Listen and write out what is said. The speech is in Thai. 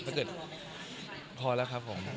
ถ้าเกิดพอแล้วครับผม